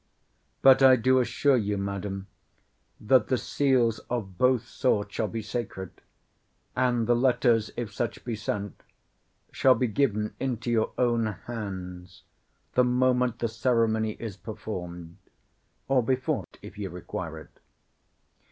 But I do assure you, madam, that the seals of both sorts shall be sacred: and the letters, if such be sent, shall be given into your own hands the moment the ceremony is performed, or before, if you require it.